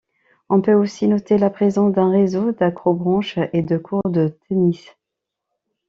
On peut aussi noter la présence d'un réseau d'accrobranche et de courts de tennis.